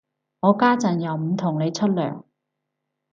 我家陣又唔同你出糧